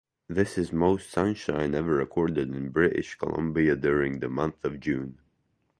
This is most sunshine ever recorded in British Columbia during the month of June.